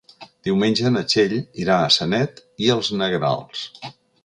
Diumenge na Txell irà a Sanet i els Negrals.